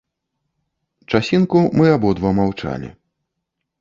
Часінку мы абодва маўчалі.